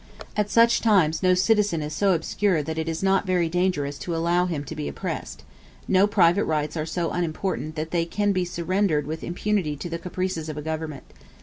At such times no citizen is so obscure that it is not very dangerous to allow him to be oppressed no private rights are so unimportant that they can be surrendered with impunity to the caprices of a government.